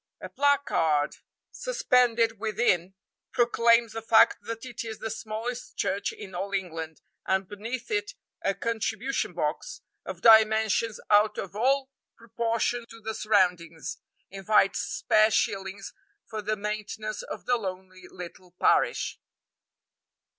A placard suspended within proclaims the fact that it is the smallest church in all England, and beneath it a contribution box, of dimensions out of all proportion to the surroundings, invites spare shillings for the maintenance of the lonely little parish.